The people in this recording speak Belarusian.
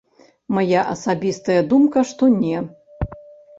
Мая асабістая думка, што не.